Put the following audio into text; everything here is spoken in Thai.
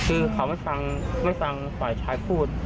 คือเขาไม่สั่งปล่อยชายพูด